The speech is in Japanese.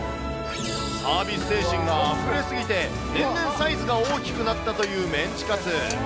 サービス精神があふれ過ぎて、年々サイズが大きくなったというメンチカツ。